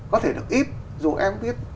có thể được íp dù em viết